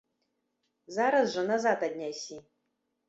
Зараз жа назад аднясі!